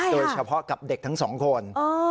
โดยเฉพาะกับเด็กทั้งสองคน